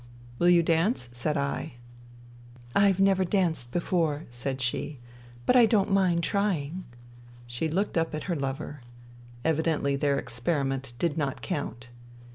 " WiU you dance ?" said I. " I've never danced before," said she. " But I don't mind trying." She looked up at her lover. Evidently their experiment did not count.